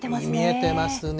見えてますね。